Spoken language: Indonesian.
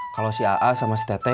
kalau si aa sama si tete